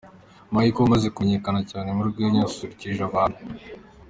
Michael Umaze kumenyekana cyane mu rwenya yasusurukije abantu.